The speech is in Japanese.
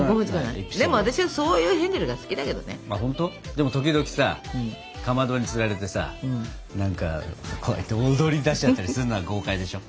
でも時々さかまどにつられてさ何かこうやって踊りだしちゃったりするのは豪快でしょ？